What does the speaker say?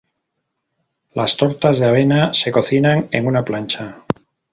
Las tortas de avena se cocinan en una plancha.